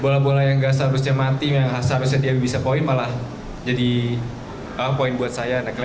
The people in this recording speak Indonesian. bola bola yang gak seharusnya mati yang seharusnya dia bisa poin malah jadi poin buat saya